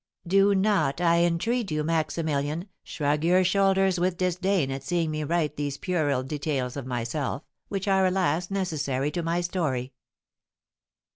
'" Do not, I entreat you, Maximilian, shrug your shoulders with disdain at seeing me write these puerile details of myself, which are, alas, necessary to my story.